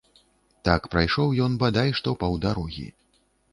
Так прайшоў ён бадай што паўдарогі.